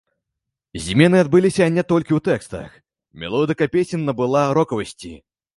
Змены адбыліся не толькі ў тэкстах, мелодыка песень набыла рокавасці.